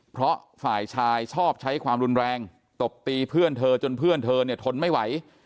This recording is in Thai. เพราะฝ่ายชายชอบใช้ความรุนแรงตบตีเพื่อนเธอจนเพื่อนเธอเนี่ยทนไม่ไหว